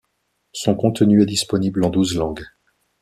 Son contenu est disponible en douze langues.